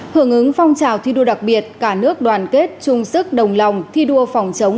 hưởng ứng phong trào thi đua đặc biệt cả nước đoàn kết chung sức đồng lòng thi đua phòng chống